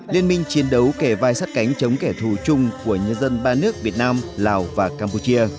liên minh chiến đấu kề vai sắt cánh chống kẻ thù chung của nhân dân ba nước việt nam lào và campuchia